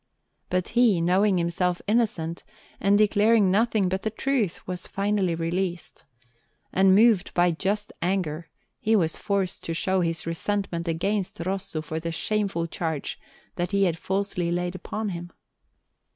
But he, knowing himself innocent, and declaring nothing but the truth, was finally released; and, moved by just anger, he was forced to show his resentment against Rosso for the shameful charge that he had falsely laid upon him.